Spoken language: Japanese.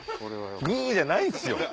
グ！じゃないんすよ！